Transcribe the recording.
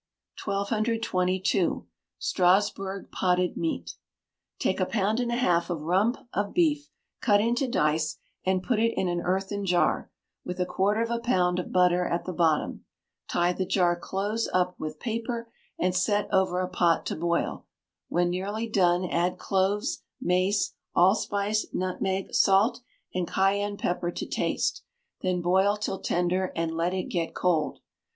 1222. Strasburg Potted Meat. Take a pound and a half of rump of beef, cut into dice, and put it in an earthen jar, with a quarter of a pound of butter at the bottom; tie the jar close up with paper, and set over a pot to boil; when nearly done, add cloves, mace, allspice, nutmeg, salt, and cayenne pepper to taste; then boil till tender, and let it get cold.